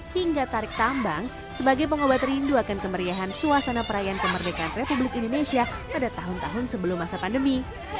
hingga tarik tambang sebagai pengobat rindu akan kemeriahan suasana perayaan kemerdekaan republik indonesia pada tahun tahun sebelum masa pandemi